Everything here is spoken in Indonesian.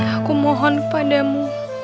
aku mohon kepadamu